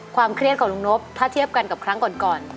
เครียดของลุงนบถ้าเทียบกันกับครั้งก่อน